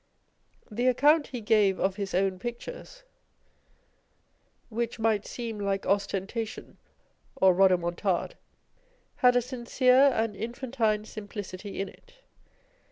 The account he gave of his own pictures, which might seem like ostenta tion or rhodomontade, had a sincere and infantine sim plicity in it.